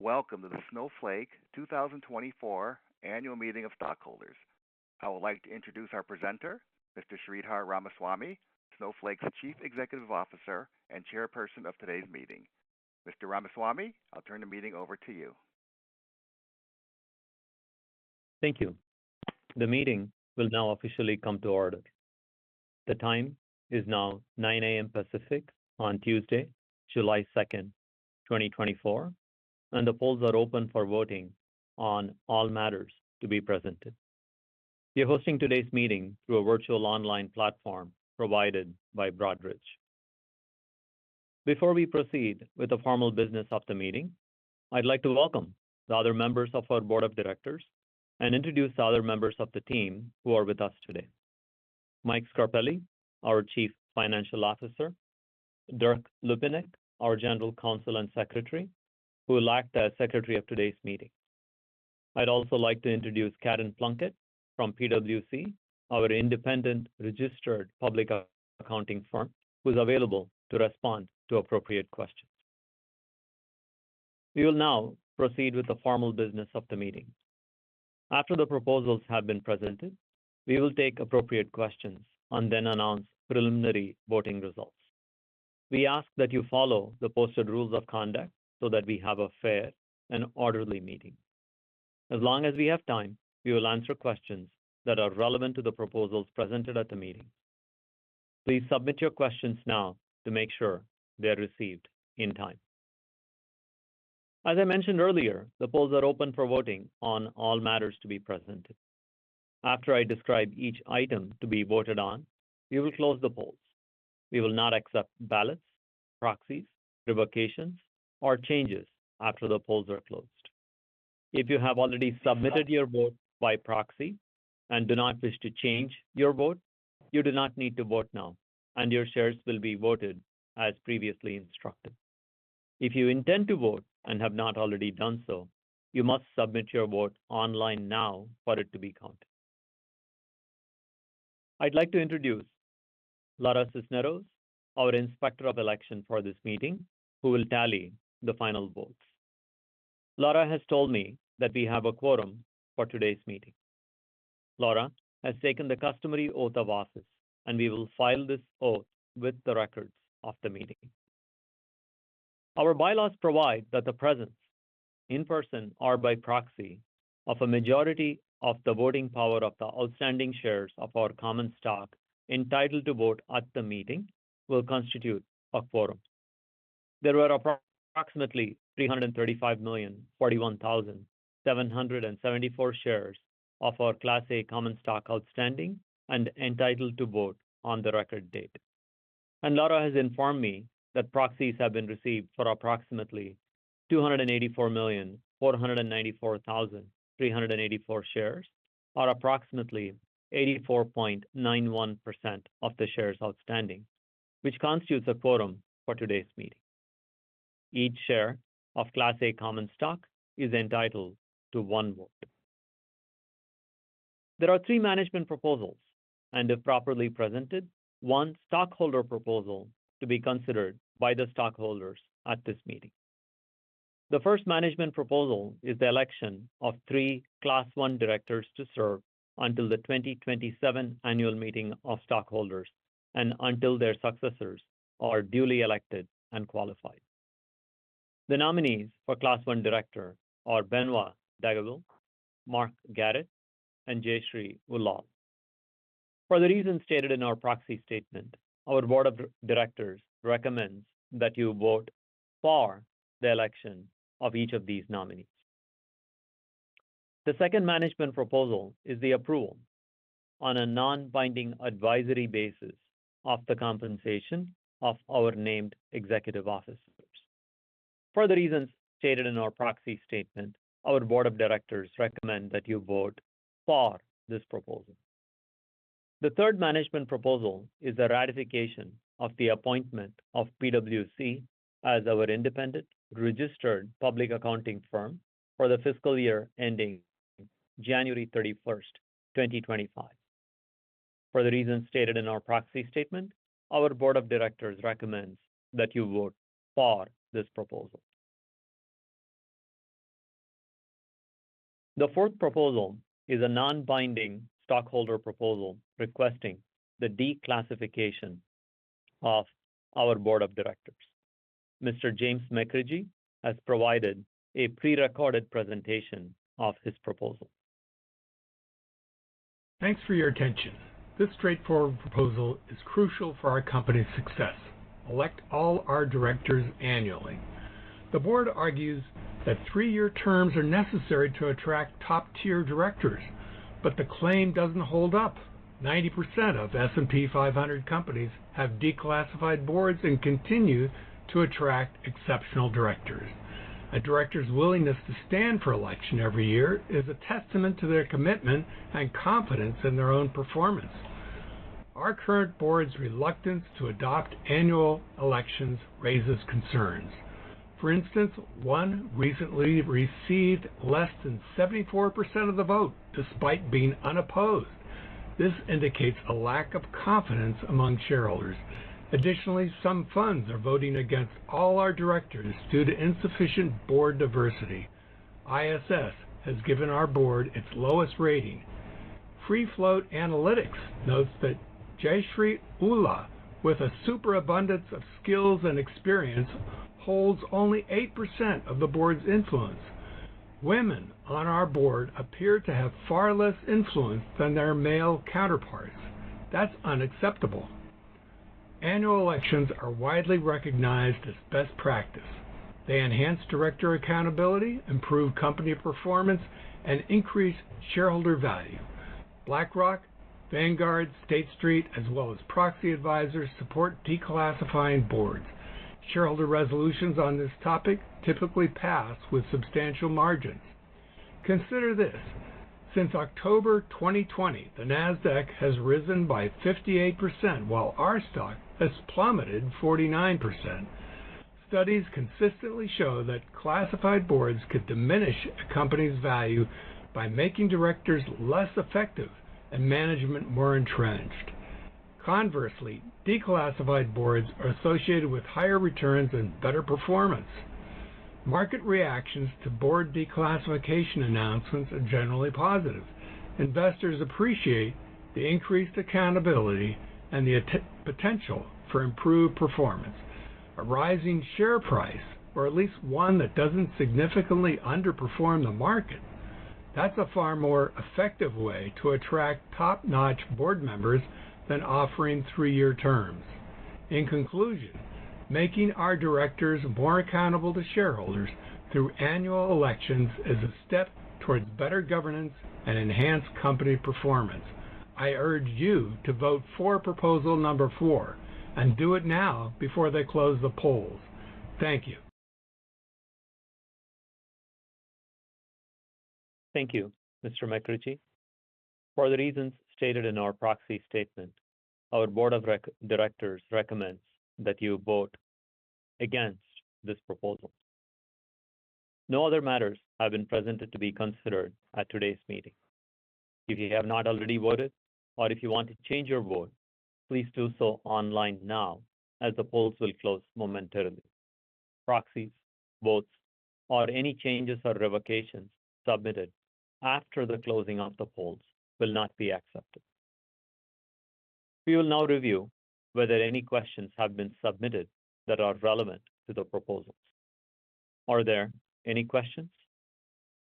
Welcome to the Snowflake 2024 Annual Meeting of Stockholders. I would like to introduce our presenter, Mr. Sridhar Ramaswamy, Snowflake's Chief Executive Officer and Chairperson of today's meeting. Mr. Ramaswamy, I'll turn the meeting over to you. Thank you. The meeting will now officially come to order. The time is now 9:00 A.M. Pacific on Tuesday, July 2nd 2024, and the polls are open for voting on all matters to be presented. We are hosting today's meeting through a virtual online platform provided by Broadridge. Before we proceed with the formal business of the meeting, I'd like to welcome the other members of our board of directors and introduce the other members of the team who are with us today. Mike Scarpelli, our Chief Financial Officer, Derk Lupinek, our General Counsel and Secretary, who will act as Secretary of today's meeting. I'd also like to introduce Karen Plunkett from PwC, our independent registered public accounting firm, who's available to respond to appropriate questions. We will now proceed with the formal business of the meeting. After the proposals have been presented, we will take appropriate questions and then announce preliminary voting results. We ask that you follow the posted rules of conduct so that we have a fair and orderly meeting. As long as we have time, we will answer questions that are relevant to the proposals presented at the meeting. Please submit your questions now to make sure they are received in time. As I mentioned earlier, the polls are open for voting on all matters to be presented. After I describe each item to be voted on, we will close the polls. We will not accept ballots, proxies, revocations, or changes after the polls are closed. If you have already submitted your vote by proxy and do not wish to change your vote, you do not need to vote now, and your shares will be voted as previously instructed. If you intend to vote and have not already done so, you must submit your vote online now for it to be counted. I'd like to introduce Laura Cisneros, our Inspector of Election for this meeting, who will tally the final votes. Laura has told me that we have a quorum for today's meeting. Laura has taken the customary oath of office, and we will file this oath with the records of the meeting. Our bylaws provide that the presence, in person or by proxy, of a majority of the voting power of the outstanding shares of our common stock entitled to vote at the meeting will constitute a quorum. There were approximately 335,041,774 shares of our Class A common stock outstanding and entitled to vote on the record date. Laura has informed me that proxies have been received for approximately 284,494,384 shares, or approximately 84.91% of the shares outstanding, which constitutes a quorum for today's meeting. Each share of Class A common stock is entitled to 1 vote. There are 3 management proposals, and if properly presented, 1 stockholder proposal to be considered by the stockholders at this meeting. The first management proposal is the election of three Class I directors to serve until the 2027 Annual Meeting of Stockholders and until their successors are duly elected and qualified. The nominees for Class I director are Benoît Dageville, Mark Garrett, and Jayshree Ullal. For the reasons stated in our proxy statement, our board of directors recommends that you vote for the election of each of these nominees. The second management proposal is the approval on a non-binding advisory basis of the compensation of our named executive officers. For the reasons stated in our proxy statement, our board of directors recommend that you vote for this proposal. The third management proposal is the ratification of the appointment of PwC as our independent registered public accounting firm for the fiscal year ending January 31st, 2025. For the reasons stated in our proxy statement, our board of directors recommends that you vote for this proposal. The fourth proposal is a non-binding stockholder proposal requesting the declassification of our board of directors. Mr. James McRitchie has provided a prerecorded presentation of his proposal. Thanks for your attention. This straightforward proposal is crucial for our company's success. Elect all our directors annually. The board argues that three-year terms are necessary to attract top-tier directors, but the claim doesn't hold up. 90% of S&P 500 companies have declassified boards and continue to attract exceptional directors. A director's willingness to stand for election every year is a testament to their commitment and confidence in their own performance. Our current board's reluctance to adopt annual elections raises concerns. For instance, one recently received less than 74% of the vote despite being unopposed. This indicates a lack of confidence among shareholders. Additionally, some funds are voting against all our directors due to insufficient board diversity. ISS has given our board its lowest rating. Free Float Analytics notes that Jayshree Ullal, with a super abundance of skills and experience, holds only 8% of the board's influence. Women on our board appear to have far less influence than their male counterparts. That's unacceptable. Annual elections are widely recognized as best practice. They enhance director accountability, improve company performance, and increase shareholder value. BlackRock, Vanguard, State Street, as well as proxy advisors, support declassifying boards. Shareholder resolutions on this topic typically pass with substantial margins. Consider this, since October 2020, the Nasdaq has risen by 58%, while our stock has plummeted 49%. Studies consistently show that classified boards could diminish a company's value by making directors less effective and management more entrenched. Conversely, declassified boards are associated with higher returns and better performance. Market reactions to board declassification announcements are generally positive. Investors appreciate the increased accountability and the potential for improved performance. A rising share price, or at least one that doesn't significantly underperform the market, that's a far more effective way to attract top-notch board members than offering three-year terms. In conclusion, making our directors more accountable to shareholders through annual elections is a step towards better governance and enhanced company performance. I urge you to vote for proposal number four, and do it now before they close the polls. Thank you. Thank you, Mr. McRitchie. For the reasons stated in our proxy statement, our board of directors recommends that you vote against this proposal. No other matters have been presented to be considered at today's meeting. If you have not already voted, or if you want to change your vote, please do so online now, as the polls will close momentarily. Proxies, votes, or any changes or revocations submitted after the closing of the polls will not be accepted. We will now review whether any questions have been submitted that are relevant to the proposals. Are there any questions?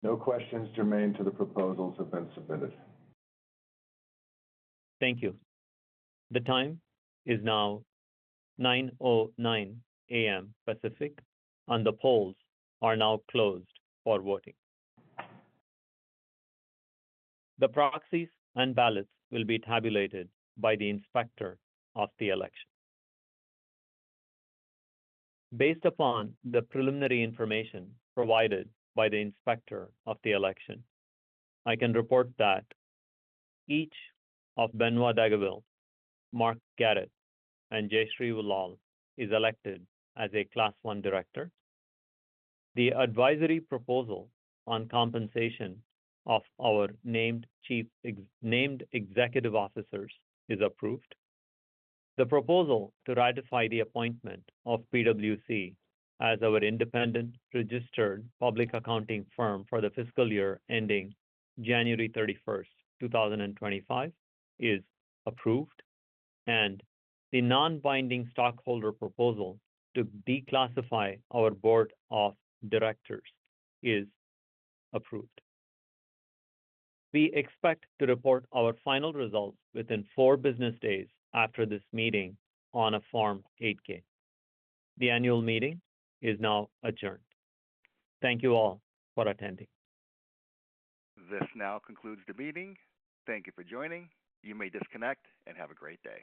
No questions germane] to the proposals have been submitted. Thank you. The time is now 9:09 A.M. Pacific, and the polls are now closed for voting. The proxies and ballots will be tabulated by the inspector of the election. Based upon the preliminary information provided by the inspector of the election, I can report that each of Benoît Dageville, Mark Garrett, and Jayshree Ullal is elected as a Class I director. The advisory proposal on compensation of our named executive officers is approved. The proposal to ratify the appointment of PwC as our independent registered public accounting firm for the fiscal year ending January 31st, 2025, is approved, and the non-binding stockholder proposal to declassify our board of directors is approved. We expect to report our final results within four business days after this meeting on a Form 8-K. The annual meeting is now adjourned. Thank you all for attending. This now concludes the meeting. Thank you for joining. You may disconnect and have a great day.